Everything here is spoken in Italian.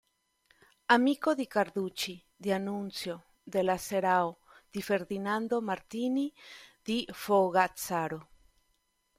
Amico di Carducci, di d'Annunzio, della Serao, di Ferdinando Martini, di Fogazzaro.